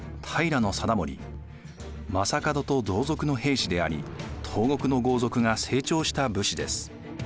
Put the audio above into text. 将門と同族の平氏であり東国の豪族が成長した武士です。